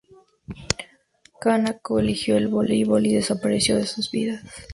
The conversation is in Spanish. Kanako eligió el voleibol y desapareció de sus vidas.